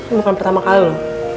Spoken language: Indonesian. ini bukan pertama kali